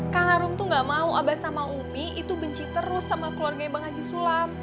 karena rom tuh gak mau abah sama umi itu benci terus sama keluarga bang haji sulam